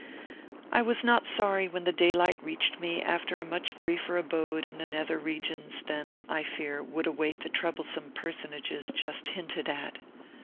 I was not sorry when the daylight reached me after a much briefer abode in the nether regions than, I fear, would await the troublesome personages just hinted at.